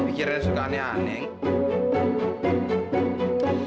pikirnya suka aneh aneh